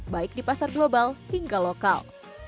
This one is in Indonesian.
baik di pasar global hingga lokal